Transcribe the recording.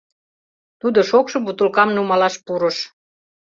Тудо шокшо бутылкам нумалаш пурыш.